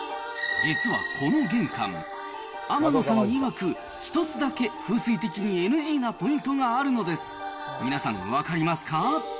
実はこの玄関、天野さんいわく、１つだけ、風水的にＮＧなポイントがあるのです。